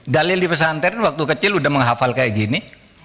dalil di pesantren waktu kecil udah menghafal kayak gini